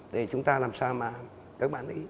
để chúng ta làm sao mà các bạn ấy